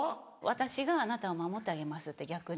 「私があなたを守ってあげます」って逆に。